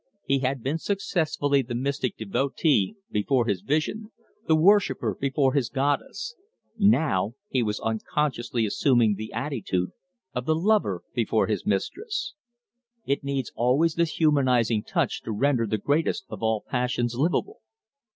He had been successively the mystic devotee before his vision, the worshipper before his goddess; now he was unconsciously assuming the attitude of the lover before his mistress. It needs always this humanizing touch to render the greatest of all passions livable.